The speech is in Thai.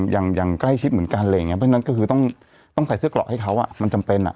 อย่างใกล้ชิดเหมือนกันเพราะฉะนั้นก็คือต้องใส่เสื้อกรอกให้เขามันจำเป็น